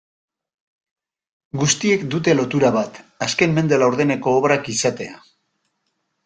Guztiek dute lotura bat, azken mende laurdeneko obrak izatea.